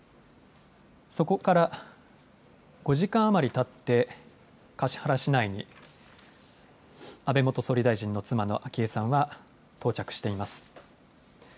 そこから５時間余りたって、橿原市内に、安倍元総理大臣の妻の昭恵さんは到着しています。